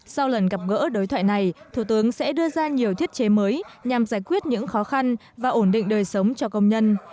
sau lần gặp gỡ đối thoại này thủ tướng sẽ đưa ra nhiều thiết chế mới nhằm giải quyết những khó khăn và ổn định đời sống cho công nhân